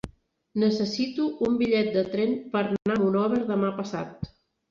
Necessito un bitllet de tren per anar a Monòver demà passat.